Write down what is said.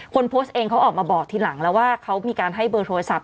คนโพสต์เองเขาออกมาบอกทีหลังแล้วว่าเขามีการให้เบอร์โทรศัพ